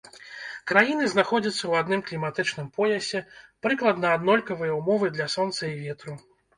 Краіны знаходзяцца ў адным кліматычным поясе, прыкладна аднолькавыя ўмовы для сонца і ветру.